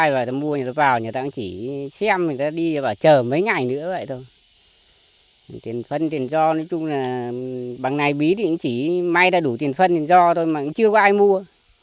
và bằng này bí thì chỉ may đủ tiền phân do thôi mà chưa có ai mua